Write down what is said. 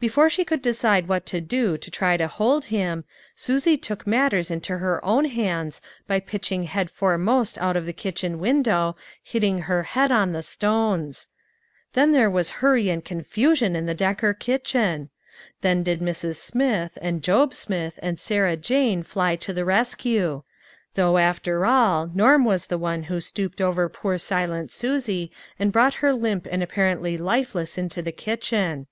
Before she could decide what to do to try to hold him, Susie took matters into her own hands by pitching head foremost out of the kitchen window, hitting her head on the stones. Then there was hurry and confusion in the Decker kitchen ! Then did Mrs. Smith, and Job Smith, and Sarah Jane fly to the rescue. Though after all, Norm was the one who stooped over poor silent Susie and brought her limp and apparently lifeless into the kitchen.